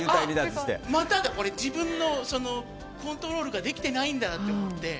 まただ、自分のコントロールができてないんだと思って。